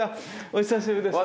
お久しぶりです。